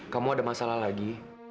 kamu ada masalah lagi